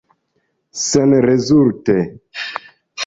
Senrezulte.